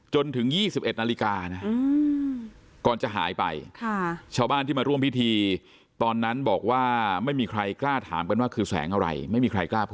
จนถึง๒๑นาฬิกานะก่อนจะหายไปชาวบ้านที่มาร่วมพิธีตอนนั้นบอกว่าไม่มีใครกล้าถามกันว่าคือแสงอะไรไม่มีใครกล้าพูด